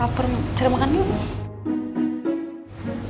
lapar cari makan yuk